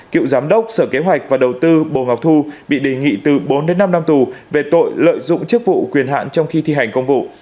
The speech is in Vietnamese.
cựu giám đốc sở kế hoạch và đầu tư bồ ngọc thu bị đề nghị từ bốn đến năm năm tù về tội lợi dụng chức vụ quyền hạn trong khi thi hành công vụ